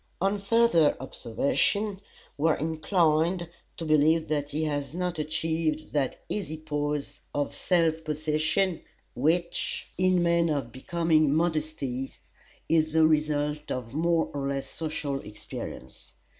On further observation, we are inclined to believe that he has not achieved that easy poise of self possession which, in men of becoming modesty, is the result of more or less social experience.